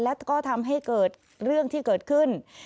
แล้วก็ทำให้เกิดเรื่องที่เกิดขึ้น